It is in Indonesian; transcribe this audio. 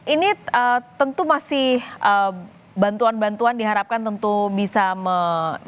ini tentu masih bantuan bantuan diharapkan tentu bisa meningkatkan